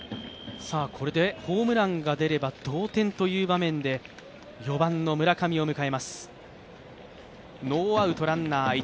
これでホームランが出れば同点という場面で、４番の村上を迎えます。